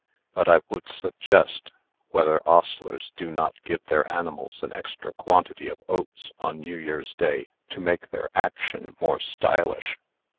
But I would suggest, whether ostlers do not give their animals an extra quantity of oats on New Year's day, to make their action more stylish?"